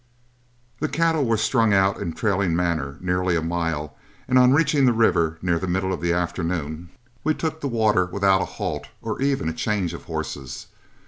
The cattle were strung out in trailing manner nearly a mile, and on reaching the river near the middle of the afternoon, we took the water without a halt or even a change of horses.